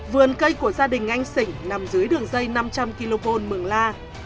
vườn cây của gia đình anh sỉnh nằm dưới đường dây năm trăm linh kv mường la